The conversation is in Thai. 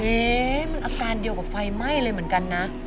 เอ๊มันอาการเดียวกับไฟไหม้เลยเหมือนกันนะ